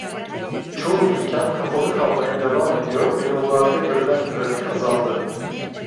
Çoğu dükkan kapalı kalmaya devam ediyor ve yollarda görülen trafik azaldı.